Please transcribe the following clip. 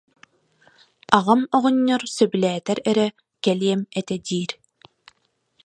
Аҕам оҕонньор сөбүлээтэр эрэ, кэлиэм этэ диир.